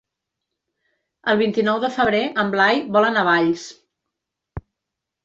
El vint-i-nou de febrer en Blai vol anar a Valls.